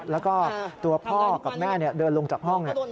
แล้วก็ตัวพ่อกับแม่เดินลงจากห้อง